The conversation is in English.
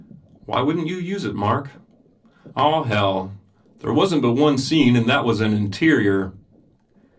"Why wouldn t you use it, Mark?" "Oh, hell, there wasn t but one scene and that was an interior!"